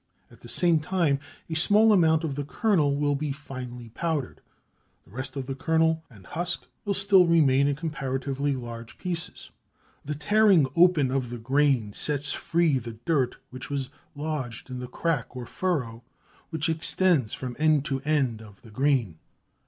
At the same time a small amount of the kernel will be finely powdered. The rest of the kernel and husk will still remain in comparatively large pieces. The tearing open of the grain sets free the dirt which was lodged in the crack or furrow which extends from end to end of the grain.